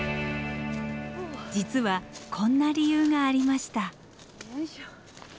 実はこんな理由がありました。